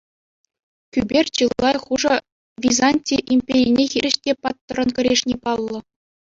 Кӳпер чылай хушӑ Византи империне хирӗҫ те паттӑррӑн кӗрешни паллӑ.